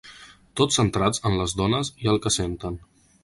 Tots centrats en les dones i el que senten.